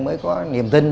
mới có niềm tin